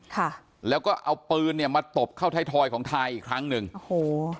ค่ะแล้วก็เอาปืนเนี่ยมาตบเข้าไทยทอยของทายอีกครั้งหนึ่งโอ้โห